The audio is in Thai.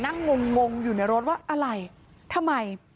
งงงอยู่ในรถว่าอะไรทำไม